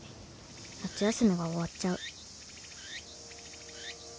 夏休みがおわっちゃう」。